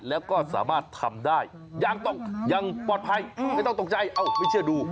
และก็สามารถทำได้ยังตกไม่ต้องตกใจไม่เชื่อดู